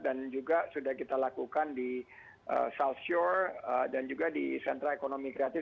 dan juga sudah kita lakukan di south shore dan juga di sentra ekonomi kreatif